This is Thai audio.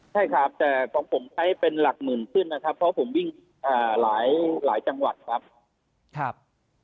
ใช่ครับแต่ของผมใช้เป็นหลักหมื่นขึ้นนะครับเพราะผมวิ่งหลายจังหวัดครับ